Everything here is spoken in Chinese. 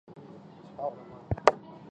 金子真大成员。